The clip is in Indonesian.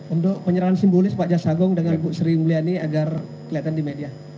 untuk penyerahan simbolis pak jasagong dengan bu sri mulyani agar kelihatan di media